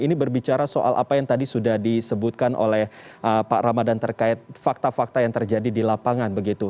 ini berbicara soal apa yang tadi sudah disebutkan oleh pak ramadhan terkait fakta fakta yang terjadi di lapangan begitu